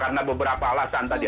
karena beberapa alasan tadi